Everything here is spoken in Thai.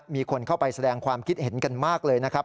มีคนเข้าไปแสดงความคิดเห็นกันมากเลยนะครับ